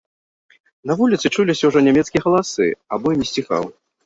На вуліцы чуліся ўжо нямецкія галасы, а бой не сціхаў.